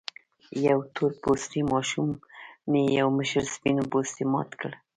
يوې تور پوستې ماشومې يو مشر سپين پوستي مات کړ.